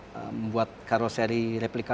membuat karoseri replika